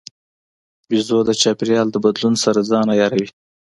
بیزو د چاپېریال د بدلون سره ځان عیاروي.